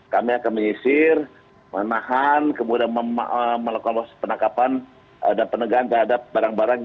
kami akan menyisir menahan kemudian melakukan penangkapan dan penegahan terhadap barang barang